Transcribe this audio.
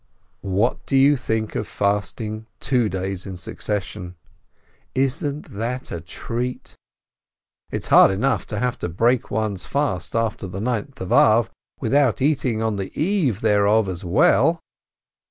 What do you think of fasting two days in succession ? Isn't that a treat? It is hard enough to have to break one's fast after the Ninth of Ab, without eating on the eve thereof as well.